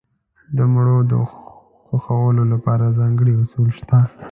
د مړو د ښخولو لپاره ځانګړي اصول شته.